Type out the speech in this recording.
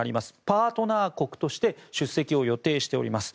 パートナー国として出席を予定しております。